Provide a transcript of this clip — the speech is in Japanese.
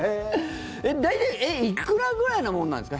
大体、いくらぐらいなものなんですか？